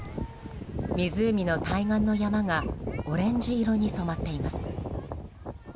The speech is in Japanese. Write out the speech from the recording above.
湖の対岸の山がオレンジ色に染まっています。